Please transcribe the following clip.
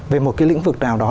về một cái lĩnh vực nào đó